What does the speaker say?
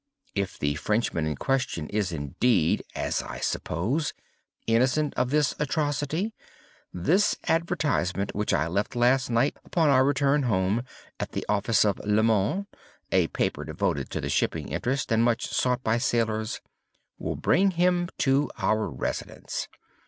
If the Frenchman in question is indeed, as I suppose, innocent of this atrocity, this advertisement which I left last night, upon our return home, at the office of 'Le Monde' (a paper devoted to the shipping interest, and much sought by sailors), will bring him to our residence."